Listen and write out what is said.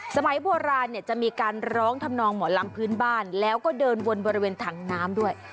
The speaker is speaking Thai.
สมัยโบราณเนี่ยจะมีการร้องทำนองหมอลำพื้นบ้านแล้วก็เดินวนบริเวณถังน้ำด้วย